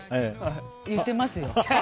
言ってますよ。